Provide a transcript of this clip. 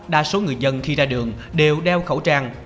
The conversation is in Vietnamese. đa số người dân khi ra đường đều đeo khẩu trang